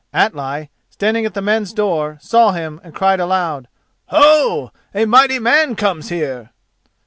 Atli, standing at the men's door, saw him and cried aloud: "Ho! a mighty man comes here."